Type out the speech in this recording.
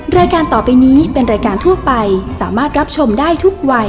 รายการต่อไปนี้เป็นรายการทั่วไปสามารถรับชมได้ทุกวัย